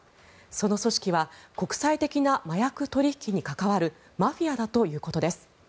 その組織は国際的な麻薬取引に関わるマフィアだということです。